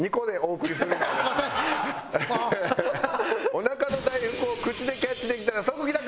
お腹の大福を口でキャッチできたら即帰宅！